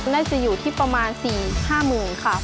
น่าจะอยู่ที่ประมาณ๔๕๐๐๐ค่ะ